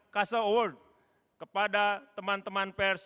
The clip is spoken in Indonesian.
kasa award kepada teman teman pers